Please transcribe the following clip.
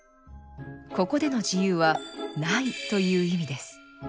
ここでの自由は「無い」という意味です。